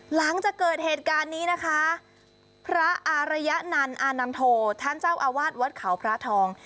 หลังจากเกิดเหตุการณ์นี้นะคะพระอารยนันต์อานันโทท่านเจ้าอาวาสวัดเขาพระทอง